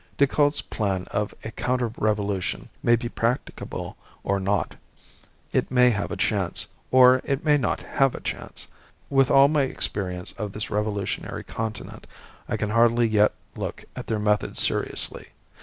Decoud's plan of a counter revolution may be practicable or not, it may have a chance, or it may not have a chance. With all my experience of this revolutionary continent, I can hardly yet look at their methods seriously.